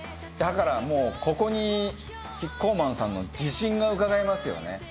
だからもうここにキッコーマンさんの自信がうかがえますよね。